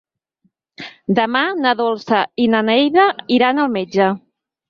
Demà na Dolça i na Neida iran al metge.